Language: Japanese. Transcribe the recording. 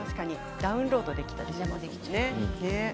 ダウンロードできたりしますね。